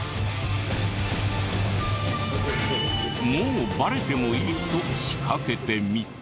もうバレてもいいと仕掛けてみた。